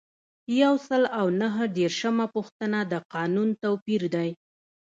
یو سل او نهه دیرشمه پوښتنه د قانون توپیر دی.